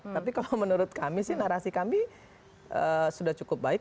tapi kalau menurut kami sih narasi kami sudah cukup baik